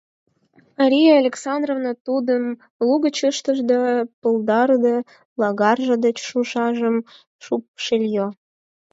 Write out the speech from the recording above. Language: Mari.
— Мария Александровна тудым лугыч ыштыш да, палдарыде, логарже деч шӱшажым шупшыльо.